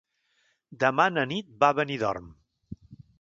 Demà na Nit va a Benidorm.